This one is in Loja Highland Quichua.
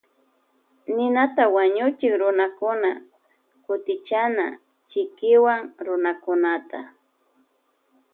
Ninata wañuchik runakuna kutichana chikiwan runakunata.